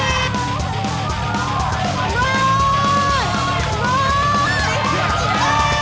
lihat mama harus percaya sama boy